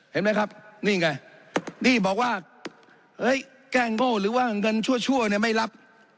เห็นไหมครับนี่ไงนี่บอกว่าเฮ้ยแก้งโง่หรือว่าเงินชั่วเนี่ยไม่รับ